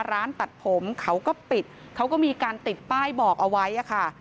ร้านตัดผมเขาก็ปิดเขาก็มีการติดป้ายบอกเอาไว้ค่ะ